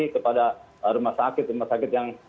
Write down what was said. kepada rumah sakit rumah sakit yang